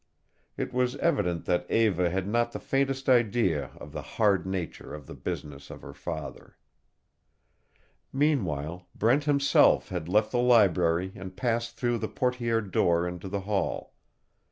It was evident that Eva had not the faintest idea of the hard nature of the business of her father. Meanwhile, Brent himself had left the library and passed through the portièred door into the hall.